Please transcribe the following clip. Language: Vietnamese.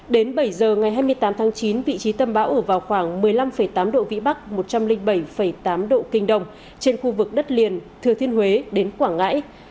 đến bảy giờ ngày hai mươi tám tháng chín vị trí tâm bão ở vào khoảng một mươi năm tám độ vĩ bắc một trăm linh bảy tám độ kinh đông trên khu vực đất liền thừa thiên huế đến quảng ngãi